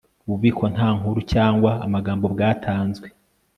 ububiko nta nkuru cyangwa amagambo bwatanzwe